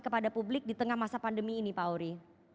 kepada publik di tengah masa pandemi ini pak auri